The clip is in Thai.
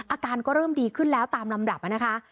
อาการก็เริ่มดีขึ้นแล้วตามลำดับนะคะ